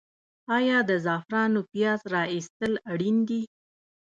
آیا د زعفرانو پیاز را ایستل اړین دي؟